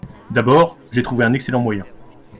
D’abord, j’ai trouvé un excellent moyen…